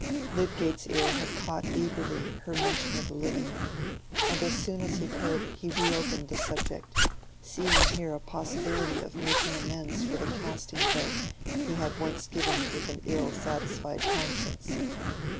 Lydgate's ear had caught eagerly her mention of the living, and as soon as he could, he reopened the subject, seeing here a possibility of making amends for the casting vote he had once given with an ill satisfied conscience.